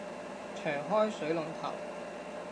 長開水龍頭